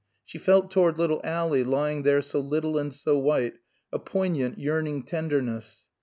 She felt toward little Ally, lying there so little and so white, a poignant, yearning tenderness.